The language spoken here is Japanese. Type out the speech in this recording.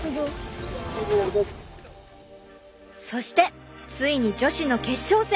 そしてついに女子の決勝戦！